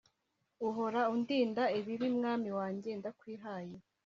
Uhora undinda ibibi mwami wanjye ndakwihaye